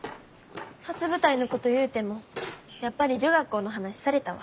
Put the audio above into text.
初舞台のこと言うてもやっぱり女学校の話されたわ。